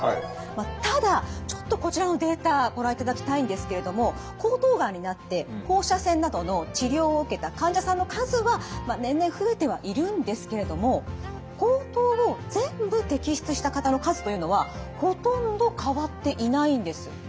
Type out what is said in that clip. ただちょっとこちらのデータご覧いただきたいんですけれども喉頭がんになって放射線などの治療を受けた患者さんの数は年々増えてはいるんですけれども喉頭を全部摘出した方の数というのはほとんど変わっていないんです。